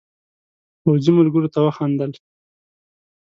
پوځي ملګرو ته وخندل.